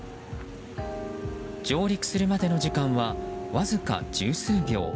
上陸するまでの時間はわずか十数秒。